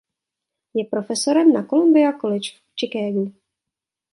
Je profesorem na Columbia College v Chicagu.